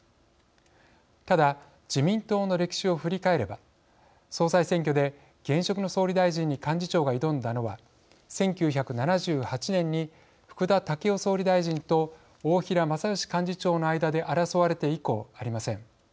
ただ自民党の歴史を振り返れば総裁選挙で現職の総理大臣に幹事長が挑んだのは１９７８年に福田赳夫総理大臣と大平正芳幹事長の間で争われて以降ありません。